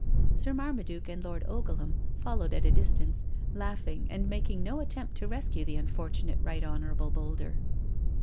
Sir Marmaduke and Lord Ogleham followed at a distance, laughing, and making no attempt to rescue the unfortunate Right Hon. Boulder.